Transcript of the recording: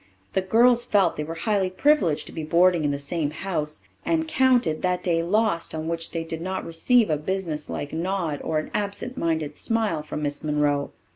The girls felt they were highly privileged to be boarding in the same house, and counted that day lost on which they did not receive a businesslike nod or an absent minded smile from Miss Monroe.